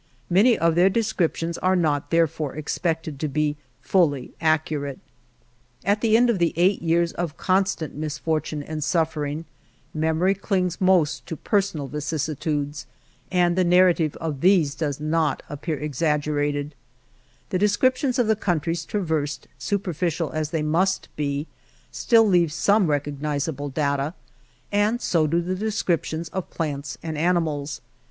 Many of their descriptions are not, therefore, expected to be fully accurate. At the end of the eight years of constant misfortune and suffering, memory clings most to personal vicissitudes, and the narra tive of these does not appear exaggerated, xvi INTRODUCTION The descriptions of the countries traversed, superficial as they must be, still leave some recognizable data, and so do the descriptions of plants and animals.